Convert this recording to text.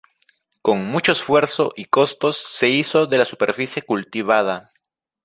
Con mucho esfuerzo y costos se hizo de la superficie cultivada.